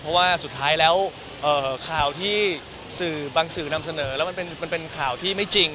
เพราะว่าสุดท้ายแล้วข่าวที่สื่อบางสื่อนำเสนอแล้วมันเป็นข่าวที่ไม่จริง